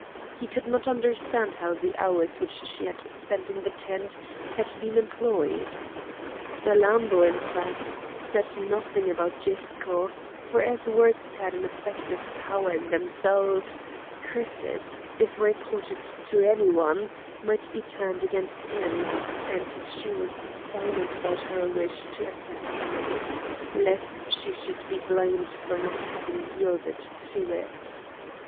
He could not understand how the hours which she had spent in the tent had been employed. Salammbô, in fact, said nothing about Gisco; for as words had an effective power in themselves, curses, if reported to any one, might be turned against him; and she was silent about her wish to assassinate, lest she should be blamed for not having yielded to it.